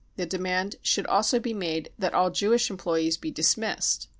The demand should also be made that all Jewish employees be dismissed.